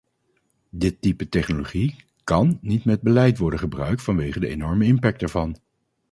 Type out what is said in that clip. Dit type technologie kán niet met beleid worden gebruikt vanwege de enorme impact ervan.